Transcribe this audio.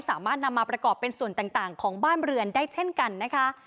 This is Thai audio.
สามารถนำมาประกอบเป็นส่วนต่างของบ้านเรือนได้เช่นกันนะคะ